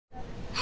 あ！